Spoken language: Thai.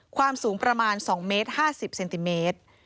ความสูงประมาณ๒เมตร๕๐เซนติเมตร